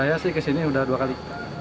saya sih kesini udah dua kali